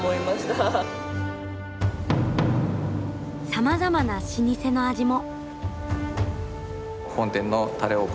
さまざまな老舗の味も！